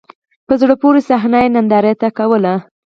په زړه پوري صحنه یې نندارې ته کوله.